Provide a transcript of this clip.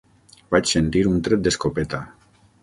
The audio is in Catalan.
Vaig sentir un tret d'escopeta.